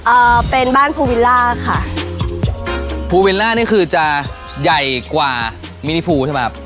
เอ่อเป็นบ้านภูวิลล่าค่ะภูวิลล่านี่คือจะใหญ่กว่ามินิภูใช่ไหมครับ